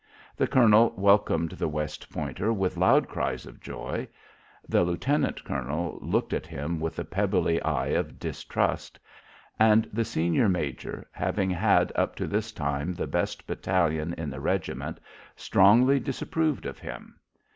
The colonel welcomed the West Pointer with loud cries of joy; the lieutenant colonel looked at him with the pebbly eye of distrust; and the senior major, having had up to this time the best battalion in the regiment, strongly disapproved of him.